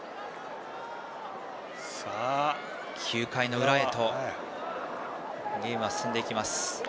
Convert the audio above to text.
９回の裏へとゲームは進んでいきます。